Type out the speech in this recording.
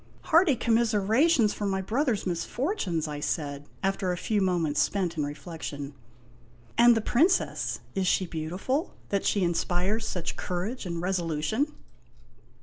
" Hearty commiserations for my brothers' misfortunes !" I said, after a few moments spent in reflection. "And the Princess is she beautiful, that she inspires such courage and resolution?"